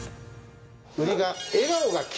売りが。